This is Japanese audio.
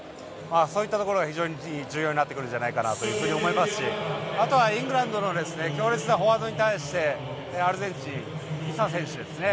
そういったところが非常に重要になってくるんじゃないかなというふうに思いますしあとは、イングランドの強烈なフォワードに対してアルゼンチン、イサ選手ですね。